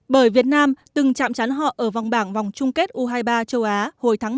bởi việt nam từng chạm chán họ ở vòng bảng vòng chung kết u hai mươi ba châu á hồi tháng năm